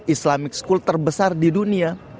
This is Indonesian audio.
islamic school terbesar di dunia